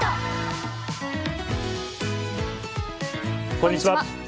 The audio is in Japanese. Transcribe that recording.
こんにちは。